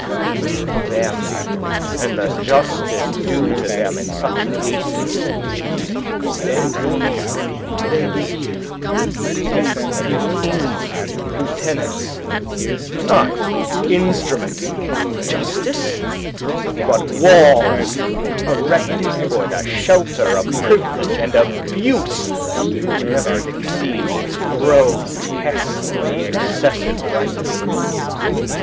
"Between them and the justice due to them in such cases stand these Lesdiguieres, these King's Lieutenants; not instruments of justice, but walls erected for the shelter of Privilege and Abuse whenever it exceeds its grotesquely excessive rights.